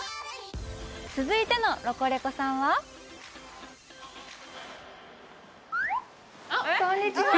続いてのロコレコさんはこんにちは。